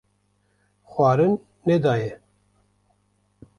xwarin nedayê.